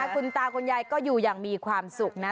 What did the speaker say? คุณตาคุณยายก็อยู่อย่างมีความสุขนะ